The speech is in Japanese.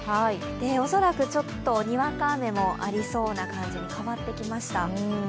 恐らくちょっとにわか雨もありそうな感じに変わってきました。